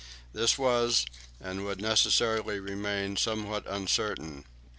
This was, and would necessarily remain, somewhat uncertain.